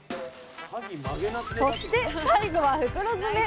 そして最後は袋詰め！